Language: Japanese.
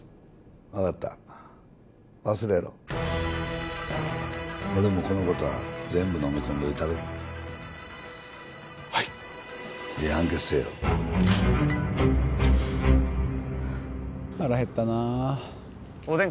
分かった忘れろ俺もこのことは全部のみ込んどいたるはいええ判決せえよ腹へったなおでん